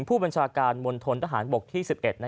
ผู้บัญชาการมณฑนทหารบกที่๑๑